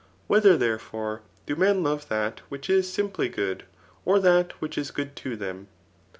Whether, therefore, do men love that which is [simply] good, or that which is good to them